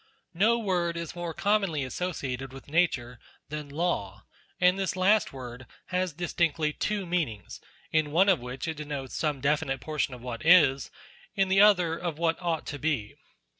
No word is more commonly associated with the word Nature, than Law ; and this last word has distinctly two meanings, in one of which it denotes some definite portion of what is, in the other, of what ought to be.